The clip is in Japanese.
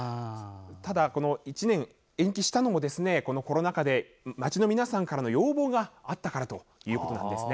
ただ１年延期したのもコロナ禍で町の皆さんからの要望があったからということなんです。